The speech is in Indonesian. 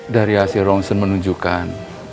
dari hasil rongsen menunjukkan